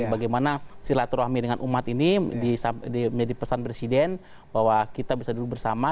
bagaimana silaturahmi dengan umat ini menjadi pesan presiden bahwa kita bisa duduk bersama